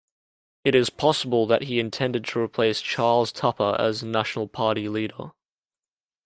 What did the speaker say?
It is possible that he intended to replace Charles Tupper as national party leader.